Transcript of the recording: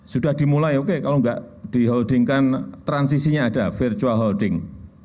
sudah dimulai oke kalau nggak diholdingkan transisinya ada virtual holding